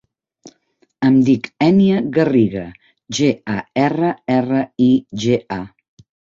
Em dic Ènia Garriga: ge, a, erra, erra, i, ge, a.